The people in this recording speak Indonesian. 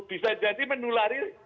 bisa jadi menulari